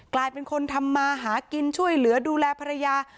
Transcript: กลายเป็นคนทำมาหากินช่วยเหลือดูแลภรรยา